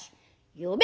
呼べ」。